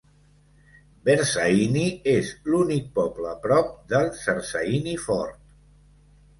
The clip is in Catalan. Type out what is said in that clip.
Bersaini és l'únic poble prop del Sersaini Fort.